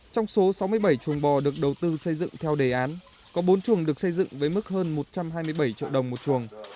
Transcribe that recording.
trong số sáu mươi bảy chuồng bò được đầu tư xây dựng theo đề án có bốn chuồng được xây dựng với mức hơn một trăm hai mươi bảy triệu đồng một chuồng